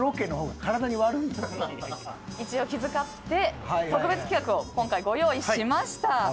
一応気遣って特別企画を今回ご用意しました。